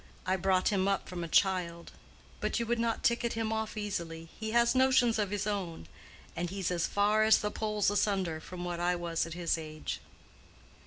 I brought him up from a child; but you would not ticket him off easily, he has notions of his own, and he's as far as the poles asunder from what I was at his age."